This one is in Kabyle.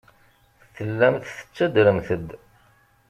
Tellamt tettadremt-d.